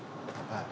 はい。